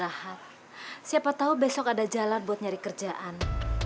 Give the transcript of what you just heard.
masih rahat siapa tau besok ada jalan buat nyari kerjaan